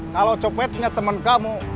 kalau copetnya temen kamu